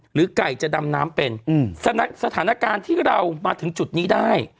ไก่จะดำน้ำเป็นสถานการณ์ที่เรามาถึงจุดนี้ได้